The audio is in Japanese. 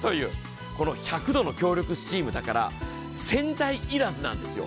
この１００度の強力スチームだから洗剤要らずなんですよ。